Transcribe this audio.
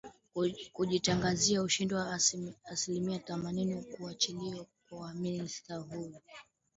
kujitangazia ushindi wa asilimia themanini kuachiliwa kwa minister huyo